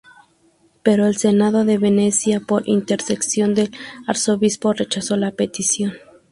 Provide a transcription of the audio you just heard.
Pero el senado de Venecia, por intercesión del arzobispo, rechazó la petición.